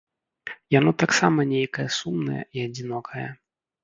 Яно таксама нейкае сумнае і адзінокае.